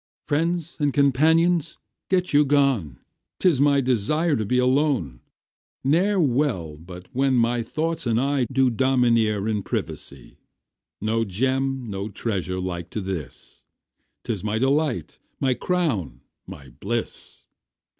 Friends and companions get you gone, 'Tis my desire to be alone; Ne'er well but when my thoughts and I Do domineer in privacy. No Gem, no treasure like to this, 'Tis my delight, my crown, my bliss.